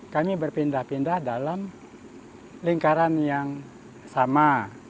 kami berpindah pindah dalam lingkaran yang sama